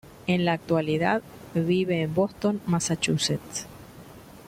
En la actualidad vive en Boston, Massachusetts.